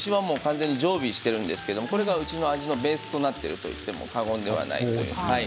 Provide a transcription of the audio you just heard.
常備しているんですがこれがうちの味のベースとなっていると言っても過言ではないです。